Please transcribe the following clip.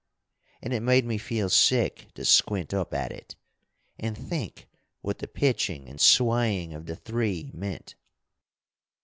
And it made me feel sick to squint up at it, and think what the pitching and swaying of the three meant.